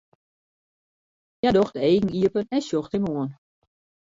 Hja docht de eagen iepen en sjocht him oan.